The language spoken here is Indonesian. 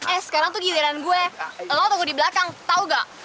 eh sekarang tuh giliran gue lo tau di belakang tau gak